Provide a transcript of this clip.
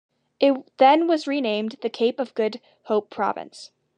It then was renamed the Cape of Good Hope Province.